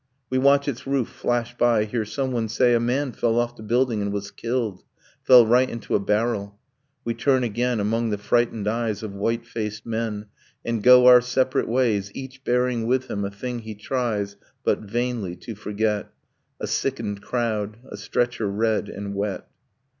We watch its roof flash by, hear someone say 'A man fell off the building and was killed Fell right into a barrel ...' We turn again Among the frightened eyes of white faced men, And go our separate ways, each bearing with him A thing he tries, but vainly, to forget, A sickened crowd, a stretcher red and wet.